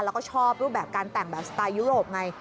แล้วก็ชอบรูปแบบการแต่งแบบสไตล์ยุโรปไง